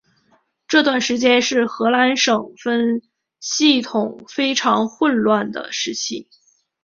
这段期间是荷兰省分系统非常混乱的时期。